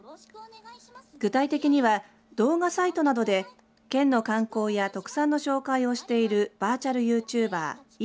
具体的には、動画サイトなどで県の観光や特産の紹介をしているバーチャルユーチューバー茨